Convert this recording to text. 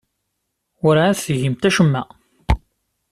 Werɛad tgimt acemma.